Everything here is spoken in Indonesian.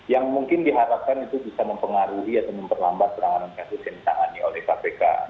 yang mungkin diharapkan itu bisa mempengaruhi atau memperlambat peranganan kasus yang ditangani oleh kpk